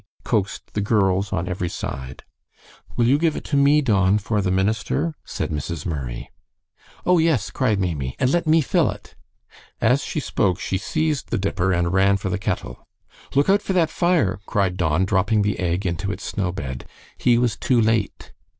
coaxed the girls on every side. "Will you give it to me, Don, for the minister?" said Mrs. Murray. "Oh, yes!" cried Maimie, "and let me fill it." As she spoke, she seized the dipper, and ran for the kettle. "Look out for that fire," cried Don, dropping the egg into its snowbed. He was too late.